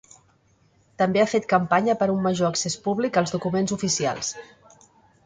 També ha fet campanya per un major accés públic als documents oficials.